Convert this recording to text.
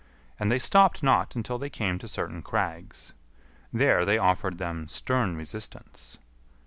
And they stopped not until they came to certain crags. There they offered them stern resistance.